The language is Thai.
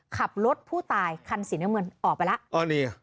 ขับรถผู้ตายคันสีน้ำเงินออกไปแล้ว